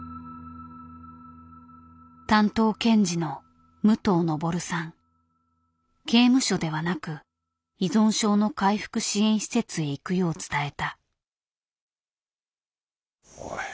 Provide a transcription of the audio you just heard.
担当検事の刑務所ではなく依存症の回復支援施設へ行くよう伝えた。